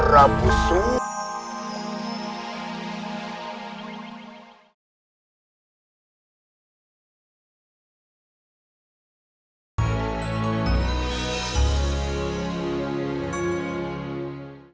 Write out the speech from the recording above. dia juga memiliki kekuatan yang sangat baik